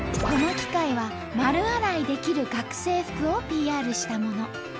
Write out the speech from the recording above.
この機械は丸洗いできる学生服をＰＲしたもの。